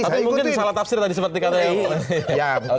tapi mungkin salah tafsir tadi seperti kata ibu